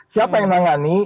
siapa yang menangani